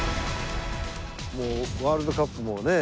もうワールドカップもね